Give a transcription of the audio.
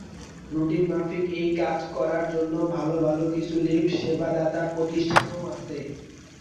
রুটিনমাফিক এই কাজ করার জন্য ভালো ভালো কিছু লিফট সেবাদাতা প্রতিষ্ঠানও আছে।